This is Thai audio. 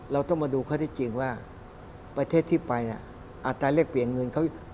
เราต้องมาดูข้อที่จริงว่าประเทศที่ไปอัตราแลกเปลี่ยนเงินเขา